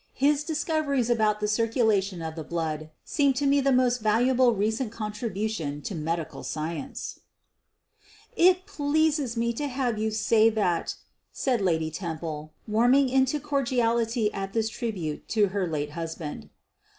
His discov eries about the circulation of the blood seem to me the most valuable recent contribution to medical science. " 108 SOPHIE LYONS *— "It pleases me to have you say that," said Lady Temple, warming into cordiality at this tribute to her late husband.